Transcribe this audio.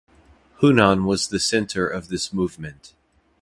Hunan was the center of this movement.